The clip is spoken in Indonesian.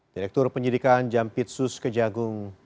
direktur penyediaan jampitsus kejagung